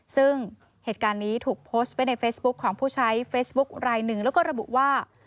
ซึ่งเหตุการณ์นี้ถูกโพสต์ไว้ในเฟซบุ๊คของผู้ใช้เฟซบุ๊คลายหนึ่งแล้วก็ระบุว่า